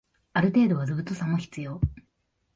ある程度は図太さも必要